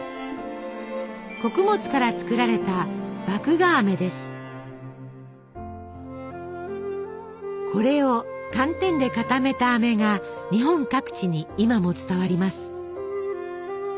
穀物から作られたこれを寒天で固めたあめが日本各地に今も伝わります。